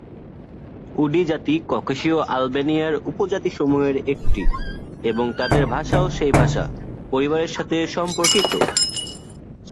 Woody জাতি ককেশীয় আলবেনিয়ার উপজাতি সমূহের একটি, এবং তাদের ভাষাও সেই ভাষা পরিবারের সাথে সম্পর্কিত।